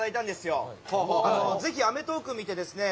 ぜひ『アメトーーク』見てですね